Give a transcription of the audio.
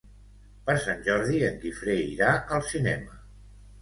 Per Sant Jordi en Guifré irà al cinema.